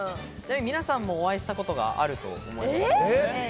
皆さんも、お会いしたことがあると思いますよ。